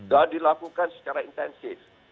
dan dilakukan secara intensif